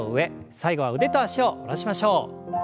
最後は腕と脚を戻しましょう。